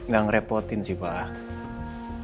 gak ngerepotin sih pak